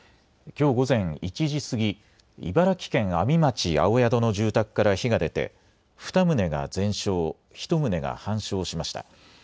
きょう午前１時過ぎ茨城県阿見町青宿の住宅から火が出て２棟が全焼、１棟が半焼しました。